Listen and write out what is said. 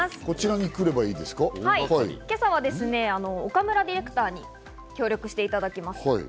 今朝は岡村ディレクターに協力していただきます。